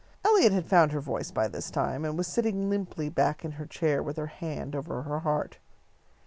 Eliot had found her voice by this time, and was sitting limply back in her chair with her hand over her heart.